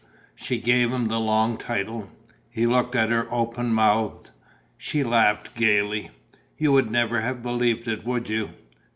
She gave him the long title. He looked at her open mouthed. She laughed gaily: "You would never have believed it, would you?"